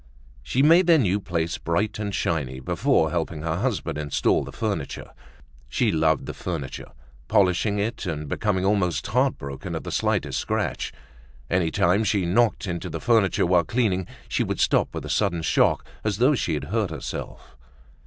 She made their new place bright and shiny before helping her husband install the furniture. She loved the furniture, polishing it and becoming almost heart broken at the slightest scratch. Any time she knocked into the furniture while cleaning she would stop with a sudden shock as though she had hurt herself.